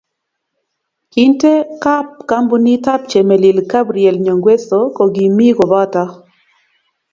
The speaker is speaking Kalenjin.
Kintee kab kampunit ab Chemelil Gabriel Nyongweso Ko kimii kobotoo.